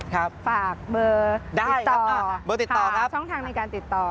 ขอฝากเบอร์ติดต่อช่องทางในการติดต่อ